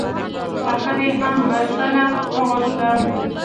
اخر يې هم بښنه وغوښته.